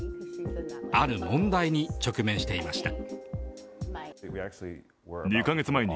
ある問題に直面していました。